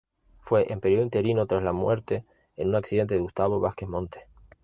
Fue en periodo interino tras la muerte en un accidente de Gustavo Vázquez Montes.